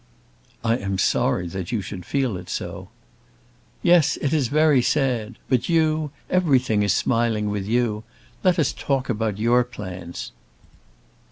"I am sorry that you should feel it so." "Yes; it is sad. But you; everything is smiling with you! Let us talk about your plans."